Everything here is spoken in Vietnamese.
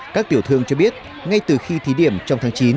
các tiểu thương cho biết ngay từ khi thí điểm trong tháng chín